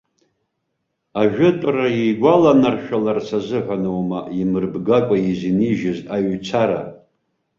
Ажәытәра игәаланаршәаларц азыҳәаноума, имырбгакәа изынижьыз аҩцара?